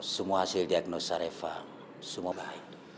semua hasil diagnosa reva semua baik